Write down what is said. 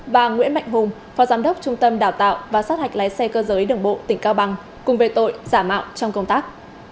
và nguyễn mạnh hùng phó giám đốc trung tâm đào tạo và sát hạch lái xe cơ giới đường bộ tỉnh cao bằng cùng về tội giả mạo trong công tác